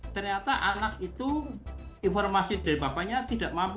ternyata anak itu informasi dari bapaknya tidak mampu